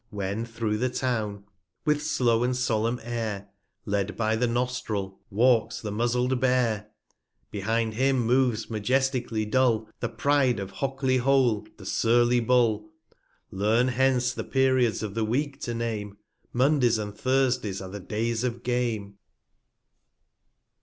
When through the Town, with slow and solemn Air, Led by the Nostril, walks the muzled Bear; 286 Behind him moves majestically dull, The Pride of Hockley hole, the surly Bull ; Learn hence the Periods of the Week to name, Mondays and Thursdays are the Days of Game.